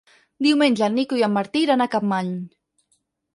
Diumenge en Nico i en Martí iran a Capmany.